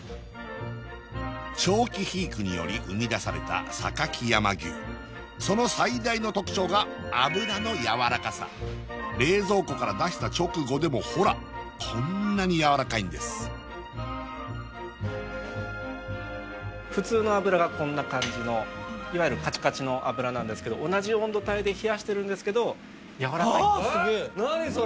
長期肥育により生み出された榊山牛その最大の特徴が脂のやわらかさ冷蔵庫から出した直後でもほらこんなにやわらかいんです普通の脂がこんな感じのいわゆるカチカチの脂なんですけど同じ温度帯で冷やしてるんですけどやわらかいんですあすげえ！